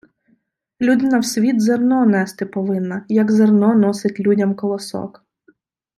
Людина в світ зерно нести повинна, як зерно носить людям колосок